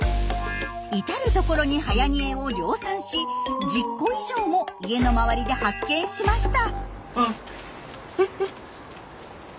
至る所にはやにえを量産し１０個以上も家の周りで発見しました。